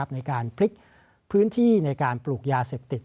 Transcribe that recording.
ในการพลิกพื้นที่ในการปลูกยาเสพติด